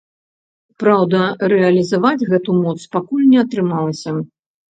Праўда, рэалізаваць гэту моц пакуль не атрымалася.